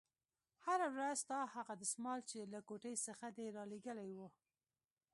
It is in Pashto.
هره ورځ ستا هغه دسمال چې له کوټې څخه دې رالېږلى و.